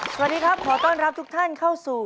สวัสดีครับขอต้อนรับทุกท่านเข้าสู่